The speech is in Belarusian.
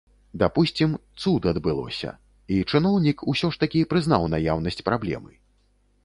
Дапусцім, цуд адбылося, і чыноўнік ўсё ж такі прызнаў наяўнасць праблемы.